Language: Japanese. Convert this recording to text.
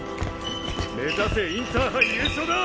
目指せインターハイ優勝だ！